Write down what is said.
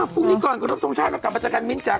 พรุ่งนี้ก่อนขอรบทรงชาติเรากลับมาเจอกันมิ้นจ๊ะ